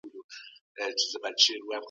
زه ګلان ساتم.